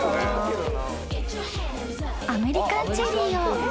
［アメリカンチェリーを］